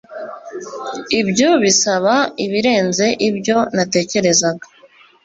ibyo bisaba ibirenze ibyo natekerezaga